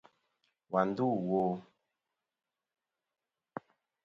Wà ndû wo?